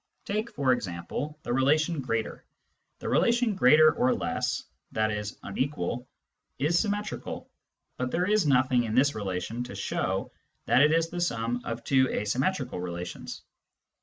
Take, for example, the relation greater : the relation greater or less — i.e. unequal — is symmetrical, but there is nothing in this relation to show that it is the sum of two asymmetrical relations.